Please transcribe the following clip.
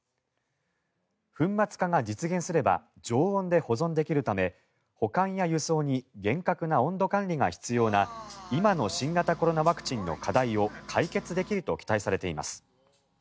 粉末化が実現すれば常温で保存できるため保管や輸送に厳格な温度管理が必要な今の新型コロナワクチンの課題を解決できると期待されています。